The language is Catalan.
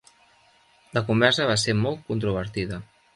La conversa va ser molt controvertida.